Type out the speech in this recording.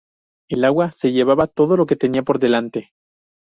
El agua se llevaba todo lo que tenía por delante.